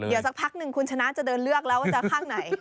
เดี๋ยวสักพักหนึ่งคุณชนะจะเดินเลือกแล้วว่าจะข้างไหน